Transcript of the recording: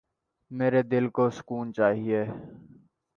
میرے دل کو سکون چایئے